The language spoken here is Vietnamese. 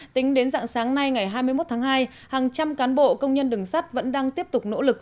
tính đến dạng sáng nay ngày hai mươi một tháng hai hàng trăm cán bộ công nhân đường sắt vẫn đang tiếp tục nỗ lực